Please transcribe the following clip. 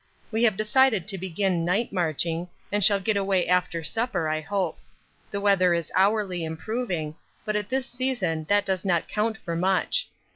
We have decided to begin night marching, and shall get away after supper, I hope. The weather is hourly improving, but at this season that does not count for much.